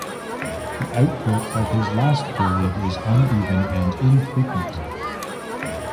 The output of his last period is uneven and infrequent.